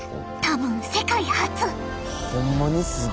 多分世界初。